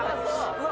うわ